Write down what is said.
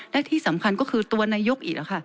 และที่สำคัญก็คือตัวนายกอีก